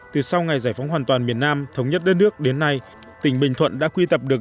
từ sau ngày giải phóng hoàn toàn miền nam thống nhất đất nước đến nay tỉnh bình thuận đã quy tập được